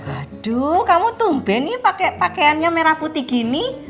aduh kamu tumben nih pakaiannya merah putih gini